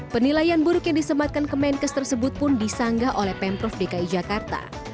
penilaian buruk yang disematkan ke menkes tersebut pun disanggah oleh pemprov dki jakarta